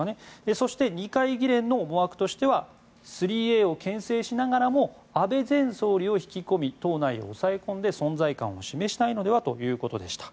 そして、二階議連の思惑としては３Ａをけん制しながらも安倍前総理を引き込み党内を抑え込んで存在感を示したいのではということでした。